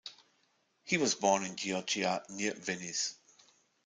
He was born in Chioggia, near Venice.